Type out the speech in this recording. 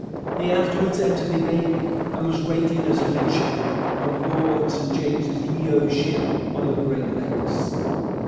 He afterwards entered the Navy and was rated as a midshipman on board Sir James Yeo's ship on the Great Lakes.